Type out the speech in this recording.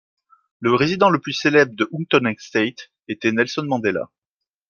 Le résident le plus célèbre de Houghton Estate était Nelson Mandela.